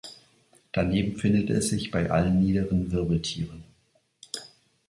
Daneben findet es sich bei allen niederen Wirbeltieren.